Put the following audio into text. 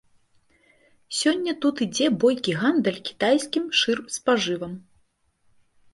Сёння тут ідзе бойкі гандаль кітайскім шырспажывам.